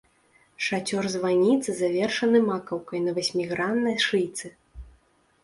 Шацёр званіцы завершаны макаўкай на васьміграннай шыйцы.